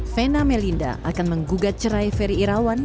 vena melinda akan menggugat cerai ferry irawan